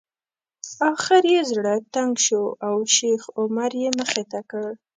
اخر یې زړه تنګ شو او شیخ عمر یې مخې ته کړ.